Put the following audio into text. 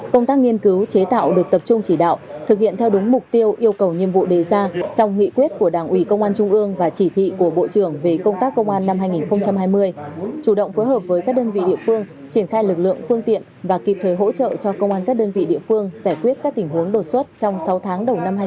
công tác nghiên cứu chế tạo được tập trung chỉ đạo thực hiện theo đúng mục tiêu yêu cầu nhiệm vụ đề ra trong nghị quyết của đảng ủy công an trung ương và chỉ thị của bộ trưởng về công tác công an năm hai nghìn hai mươi chủ động phối hợp với các đơn vị địa phương triển khai lực lượng phương tiện và kịp thời hỗ trợ cho công an các đơn vị địa phương giải quyết các tình huống đột xuất trong sáu tháng đầu năm hai nghìn hai mươi